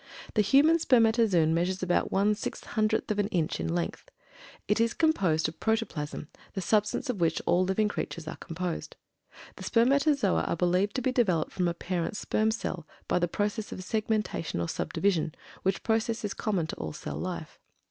The human spermatozoon measures about one six hundredth of an inch in length. It is composed of protoplasm, the substance of which all living creatures are composed. The spermatozoa are believed to be developed from a parent sperm cell, by the process of segmentation or subdivision, which process is common to all cell life.